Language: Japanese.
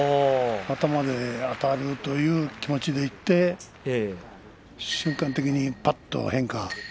頭であたるという気持ちでいって瞬間的にぱっと変化。